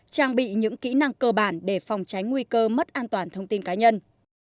trang bị những kỹ năng cơ bản để phòng tránh nguy cơ mất an toàn thông tin cá nhân